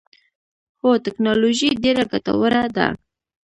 هو، تکنالوجی ډیره ګټوره ده